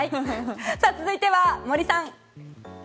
続いては森さん。